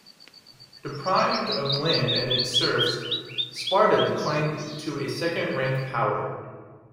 Deprived of land and its serfs, Sparta declined to a second-rank power.